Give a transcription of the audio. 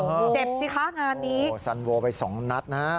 โอ้โหเจ็บจิฆ่างานนี้โอ้โหสั่นโวไปสองนัดนะฮะ